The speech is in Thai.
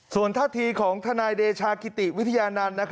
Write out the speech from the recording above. ส่วนทัศน์ทีของทนายเดชากิติวิทยานาน